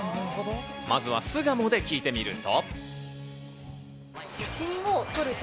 まずは巣鴨で聞いてみると。